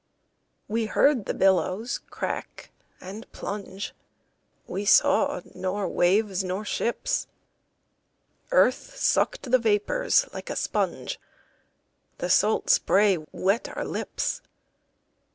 We heard the billows crack and plunge, We saw nor waves nor ships. Earth sucked the vapors like a sponge, The salt spray wet our lips.